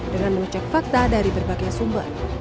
dengan mengecek fakta dari berbagai sumber